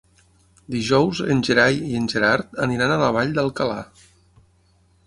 Dijous en Gerai i en Gerard aniran a la Vall d'Alcalà.